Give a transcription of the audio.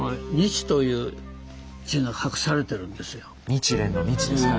「日蓮」の「日」ですか？